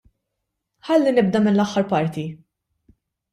Ħalli nibda mill-aħħar parti.